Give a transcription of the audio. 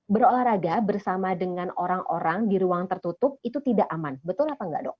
berolahraga bersama dengan orang orang di ruang tertutup itu tidak aman betul apa enggak dok